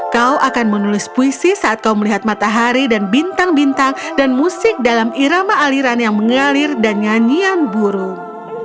kau akan menulis puisi saat kau melihat matahari dan bintang bintang dan musik dalam irama aliran yang mengalir dan nyanyian burung